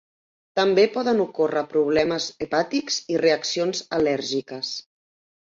També poden ocórrer problemes hepàtics i reaccions al·lèrgiques.